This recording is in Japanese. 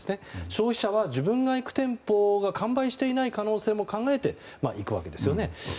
消費者は自分が行く店舗が完売していない可能性も考えて行くわけですね。